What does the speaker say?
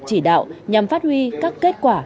chỉ đạo nhằm phát huy các kết quả